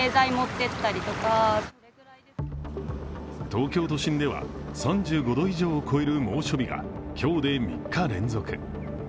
東京都心では３５度以上を超える猛暑日が今日で３日連続。